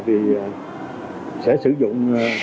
thì sẽ sử dụng